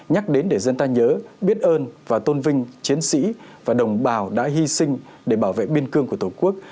nhắc đến để dân ta nhớ biết ơn và tôn vinh chiến sĩ và đồng bào đã hy sinh để bảo vệ biên cương của tổ quốc